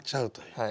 はい。